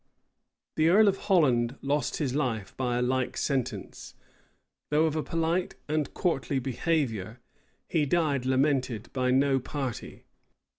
The earl of Holland lost his life by a like sentence. Though of a polite and courtly behavior, he died lamented by no party.